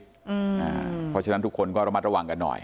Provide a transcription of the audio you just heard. เพราะฉะนั้นทุกคนก็ระมัดระวังกันหน่อย